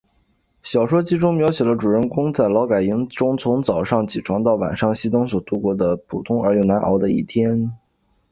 小说集中描写了主人公在劳改营中从早上起床到晚上熄灯所度过的普通而又难熬的一天。